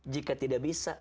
jika tidak bisa